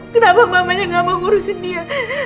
kenapa mamanya gak mau ngurusin dia